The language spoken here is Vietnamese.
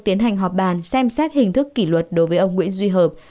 tiến hành họp bàn xem xét hình thức kỷ luật đối với ông nguyễn duy hợp